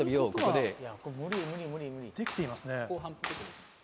できていますね。